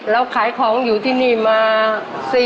เราขายของอยู่ที่นี่มา๔๖ปี